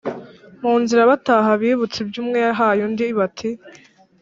Mu nzira bataha, bibutse ibyo umwe yahaye undi bati: